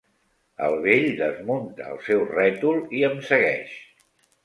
El vell desmunta el seu rètol i em segueix.